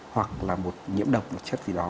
hoặc là một nhiễm độc chất gì đó